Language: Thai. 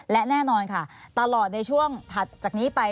และแน่นอนค่ะตลอดในช่วงถัดจากนี้ไป